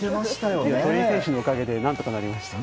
鳥居選手のおかげで何とかなりました。